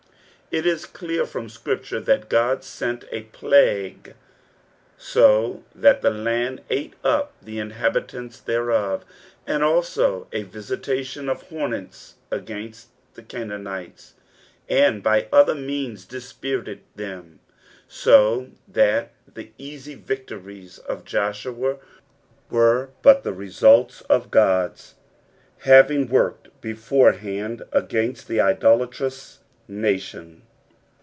It is clear from Scripture that God sent a pligne (so that the land ate up the inhabitants thereof), and also a vieitatKUi of hornets against the Canaanites, and by other means dispirited them, so that the easy victories of Joshua were but the results of Qod's having worked before hand Bgainat the idolatrous nation.